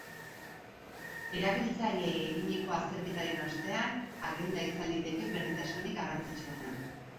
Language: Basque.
Erabiltzaileei eginiko azterketaren ostean, agenda izan liteke berritasunik garrantzitsuena.